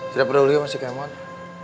tidak peduli sama si kemote